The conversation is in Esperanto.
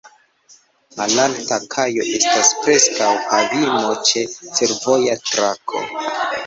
Malalta kajo estas preskaŭ pavimo ĉe fervoja trako.